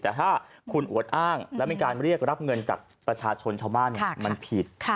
แต่ถ้าคุณอวดอ้างแล้วมีการเรียกรับเงินจากประชาชนชาวบ้านมันผิด